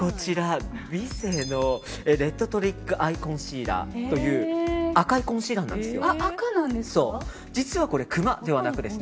ヴィセのレッドトリックアイコンシーラーという赤いコンシーラーなんです。